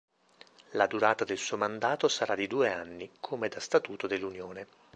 La durata del suo mandato sarà di due anni, come da statuto dell'Unione.